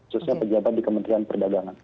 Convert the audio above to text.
khususnya pejabat di kementerian perdagangan